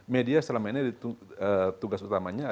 media selama ini tugas utamanya adalah menyebarkan